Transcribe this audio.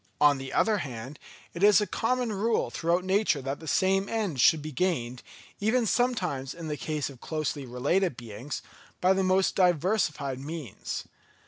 On the other hand, it is a common rule throughout nature that the same end should be gained, even sometimes in the case of closely related beings, by the most diversified means.